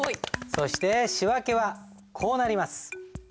そして仕訳はこうなります。